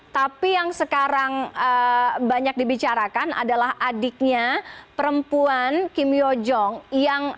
tapi yang sekarang banyak dibicarakan adalah adiknya perempuan kim jong